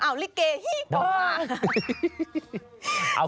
อ้าวลิเกฮี่ต่อมา